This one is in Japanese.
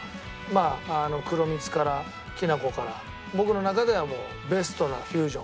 まあ黒蜜からきな粉から僕の中ではもうベストなフュージョンしていて。